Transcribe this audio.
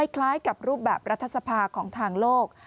คล้ายกับรูปแบบรัฐสภาของทางโลก